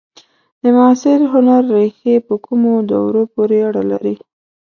د معاصر هنر ریښې په کومو دورو پورې اړه لري؟